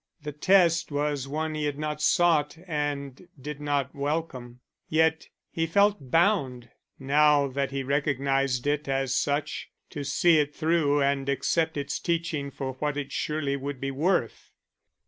The test was one he had not sought and did not welcome. Yet he felt bound, now that he recognized it as such, to see it through and accept its teaching for what it surely would be worth.